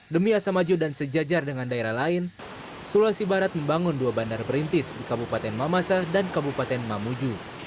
demi asam maju dan sejajar dengan daerah lain sulawesi barat membangun dua bandar perintis di kabupaten mamasa dan kabupaten mamuju